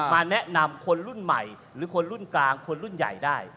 มาแนะนำคนรุ่นใหม่หรือคนรุ่นกลางคนรุ่นใหญ่ได้